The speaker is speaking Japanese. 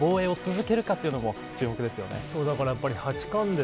どこまで防衛を続けるかというのも注目ですよね。